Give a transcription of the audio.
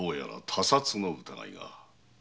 他殺の疑いが。